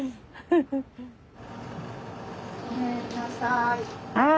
ごめんください。